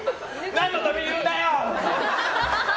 何のためにいるんだよ！